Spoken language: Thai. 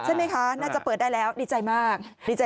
ใช่ไหมคะน่าจะเปิดได้แล้วดีใจมากดีใจ